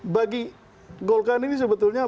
bagi golkar ini sebetulnya